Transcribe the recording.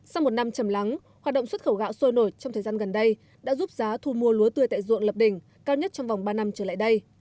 sau một năm chầm lắng hoạt động xuất khẩu gạo sôi nổi trong thời gian gần đây đã giúp giá thu mua lúa tươi tại ruộng lập đỉnh cao nhất trong vòng ba năm trở lại đây